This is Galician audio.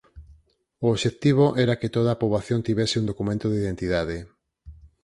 O obxectivo era que toda a poboación tivese un documento de identidade.